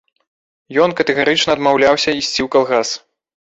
Ён катэгарычна адмаўляўся ісці ў калгас.